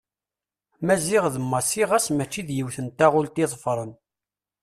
Maziɣ d Massi ɣas mačči d yiwet n taɣult i ḍeffren.